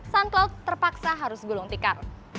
suncloud terpaksa harus gulung tikar